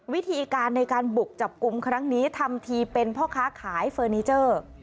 วิธีการในการบุกจับกลุ่มครั้งนี้ทำทีเป็นพ่อค้าขายเฟอร์นิเจอร์